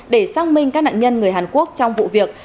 để xác minh các nạn nhân người hàn quốc trong vụ việc